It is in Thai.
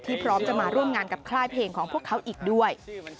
พร้อมจะมาร่วมงานกับค่ายเพลงของพวกเขาอีกด้วย